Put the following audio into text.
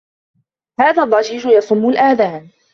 هذا الضّجيج يصمّ الآذان.